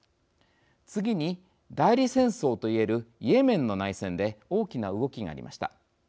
次に、代理戦争と言えるイエメンの内戦で大きな動きがありました。